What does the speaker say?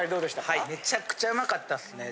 はいめちゃくちゃうまかったですね。